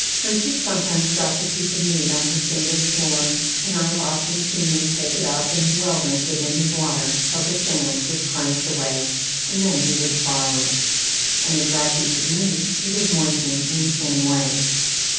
Richard sometimes dropped a piece of meat on his sanded floor, and I have often seen him take it up and well rinse it in his water, till the sand was cleansed away, and then he would swallow it; and a dry piece of meat he would moisten in the same way.